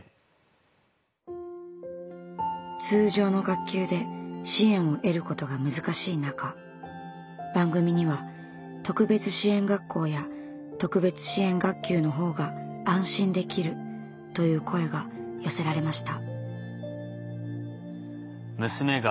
通常の学級で支援を得ることが難しい中番組には特別支援学校や特別支援学級のほうが安心できるという声が寄せられました。